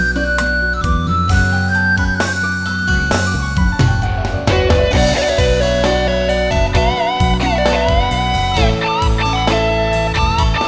แล้วด้องกลิ่นให้ต้องรอให้วิ่ง